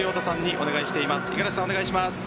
お願いします。